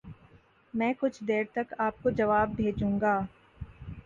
میں کچھ دیر تک آپ کو جواب بھیجوں گا۔۔۔